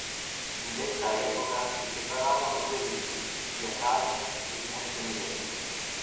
In detta epoca si separarono due linee: di Acaja e di Montemiletto..